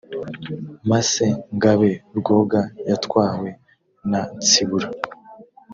masse ngabe rwoga yatwawe na nsibura